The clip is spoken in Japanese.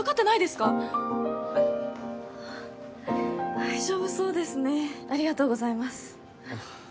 大丈夫そうですねありがとうございます